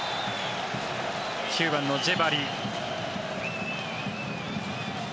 ９番のジェバリ。